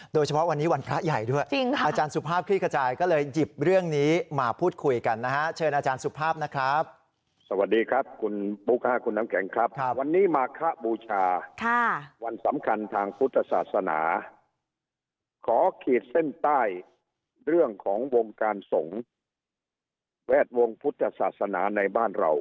โดยเฉพาะวันนี้วันพระใหญ่ด้วยอาจารย์สุภาพขี้กระจายเบ็บ